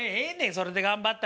それで頑張ったら。